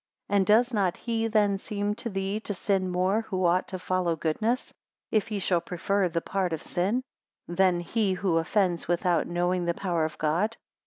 172 And does not he then seem to thee to sin more who ought to follow goodness, if he shall prefer the part of sin; than he who offends without knowing the power of God?